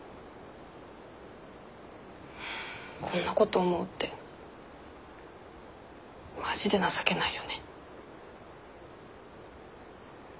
こんなこと思うってマジで情けないよね。